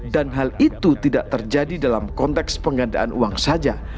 dan hal itu tidak terjadi dalam konteks penggandaan uang saja